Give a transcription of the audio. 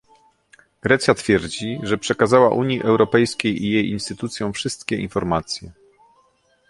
Grecja twierdzi, że przekazała Unii Europejskiej i jej instytucjom wszystkie informacje